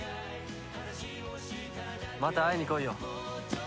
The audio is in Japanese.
また会いに来いよ。